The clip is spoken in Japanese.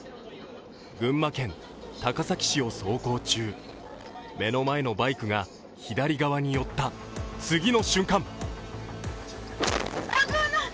群馬県高崎市を走行中、目の前のバイクが左側に寄った次の瞬間